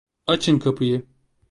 Açın kapıyı!